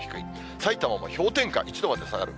さいたまも氷点下１度まで下がる。